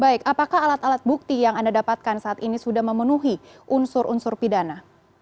baik apakah alat alat bukti yang anda dapatkan saat ini sudah memenuhi unsur unsur pidana